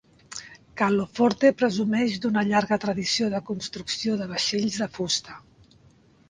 Carloforte presumeix d'una llarga tradició de construcció de vaixells de fusta.